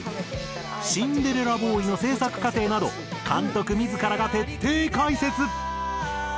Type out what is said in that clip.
『シンデレラボーイ』の制作過程など監督自らが徹底解説！